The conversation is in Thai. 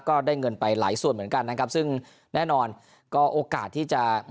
ก็ได้เงินไปหลายส่วนเหมือนกันนะครับซึ่งแน่นอนก็โอกาสที่จะ